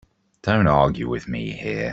Don't argue with me here.